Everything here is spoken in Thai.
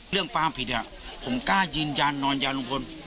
เรื่องการฟ้าผิดผมกล้ายิญญาณนอนแย้งลุงพล